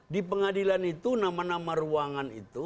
di pengadilan itu nama nama ruangan itu